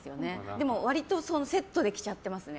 でも割とセットで着ちゃってますね。